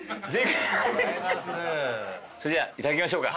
それじゃいただきましょうか。